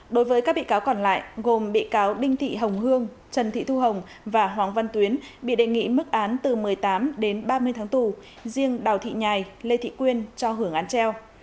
đối với các bị cáo còn lại gồm bị cáo đinh thị hồng hương trần thị thu hồng và hoàng văn tuyến bị đề nghị mức án từ một mươi tám đến ba mươi tháng tù riêng đào thị nhài lê thị quyên cho hưởng án treo